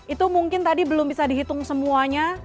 itu mungkin tadi belum bisa dihitung semuanya